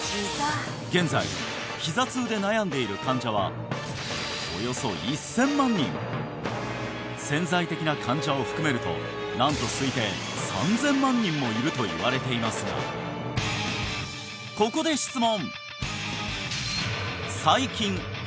現在ひざ痛で悩んでいる患者はおよそ１０００万人潜在的な患者を含めるとなんと推定３０００万人もいるといわれていますがここで質問